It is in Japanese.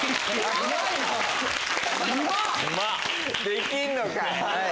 できんのかい！